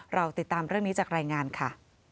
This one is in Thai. เราติดตามเรื่องนี้จากรายงานค่ะ